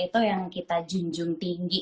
itu yang kita junjung tinggi